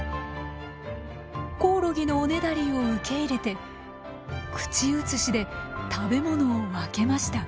コオロギのおねだりを受け入れて口移しで食べ物を分けました。